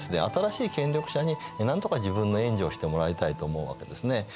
新しい権力者になんとか自分の援助をしてもらいたいと思うわけですね。